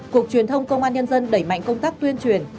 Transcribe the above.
cục truyền thông công an nhân dân đẩy mạnh công tác tuyên truyền